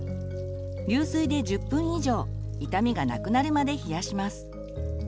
流水で１０分以上痛みが無くなるまで冷やします。